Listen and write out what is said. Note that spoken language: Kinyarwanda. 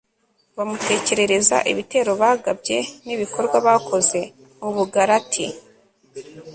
bamutekerereza ibitero bagabye n'ibikorwa bakoze mu bugalati